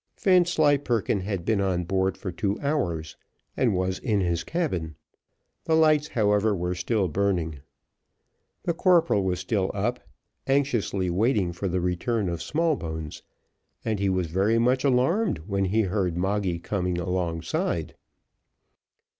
Vanslyperken had been on board for two hours, and was in his cabin; the lights, however, were still burning. The corporal was still up, anxiously waiting for the return of Smallbones, and he was very much alarmed when he heard Moggy come alongside.